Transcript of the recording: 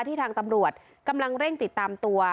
ทางตำรวจกำลังเร่งติดตามตัว